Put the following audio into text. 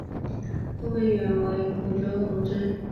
后被贬为蒲州同知。